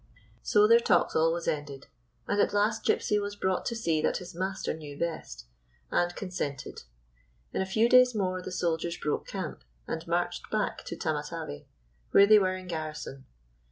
So their talks always ended, and at last Gypsy was brought to see that his master knew best, and consented. In a few days more the soldiers broke camp, and marched back to Tamatave, where they were in garrison.